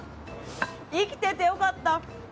生きててよかった。